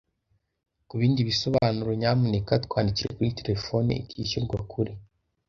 Kubindi bisobanuro, nyamuneka twandikire kuri telefoni itishyurwa kuri